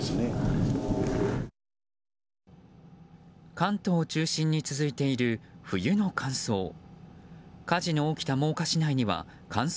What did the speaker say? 関東を中心に続いている冬の乾燥。